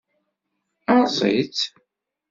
Erẓ-itt.